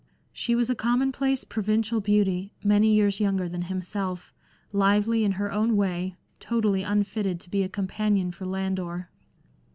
She was a commonplace provincial beauty, many years younger than himself, lively in her own way, totally unfitted to be a companion for Landor.